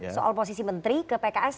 soal posisi menteri ke pks